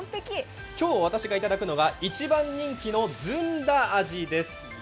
今日、私がいただくのが一番人気のずんだ味です。